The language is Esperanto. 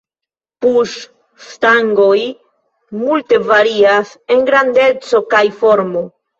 Puŝ-stangoj multe varias en grandeco kaj formo.